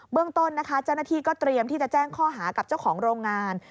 เรื่องต้นนะคะเจ้าหน้าที่ก็เตรียมที่จะแจ้งข้อหากับเจ้าของโรงงาน